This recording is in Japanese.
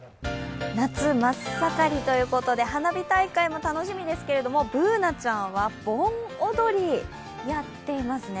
夏、真っ盛りということで花火大会も楽しみですけれどもＢｏｏｎａちゃんは盆踊りをやっていますね。